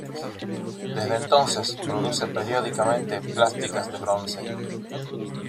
Desde entonces produce periódicamente plásticas de bronce.